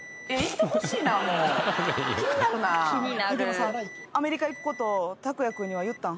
でもさアメリカ行くことタクヤ君には言ったん？